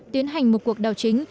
tiến hành một cuộc đảo chính